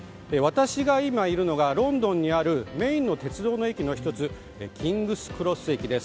私が今いるのが、ロンドンにあるメインの鉄道の駅の１つキングスクロス駅です。